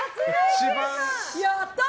やったー！